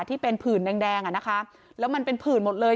ที่เป็นผื่นแดงแดงอ่ะนะคะแล้วมันเป็นผื่นหมดเลย